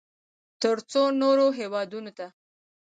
ترڅو نورو هېوادونو ته